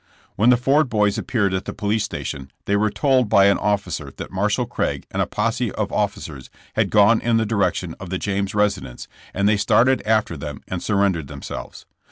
When the Ford boys appeared at the police sta tion, they were told by an officer that Marshall Craig and a posse of officers had gone in the direction of ths James residence and they started after them and surrendered themselves.